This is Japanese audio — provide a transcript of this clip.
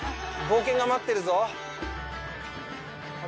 冒険が待ってるぞ。